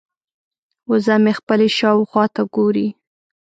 وزه مې خپلې شاوخوا ته ګوري.